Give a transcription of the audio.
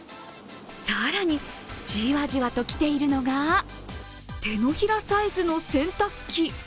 さらに、じわじわと来ているのが手のひらサイズの洗濯機。